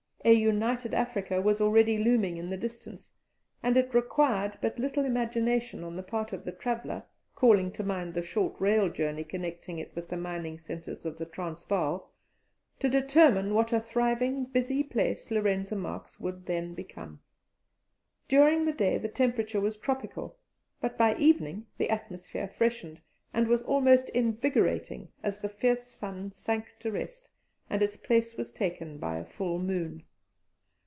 A "United Africa" was already looming in the distance, and it required but little imagination on the part of the traveller, calling to mind the short rail journey connecting it with the mining centres of the Transvaal, to determine what a thriving, busy place Lorenzo Marques would then become. During the day the temperature was tropical, but by evening the atmosphere freshened, and was almost invigorating as the fierce sun sank to rest and its place was taken by a full moon.